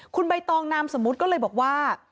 คุณใบตองนามสมมุติก็เลยบอกว่า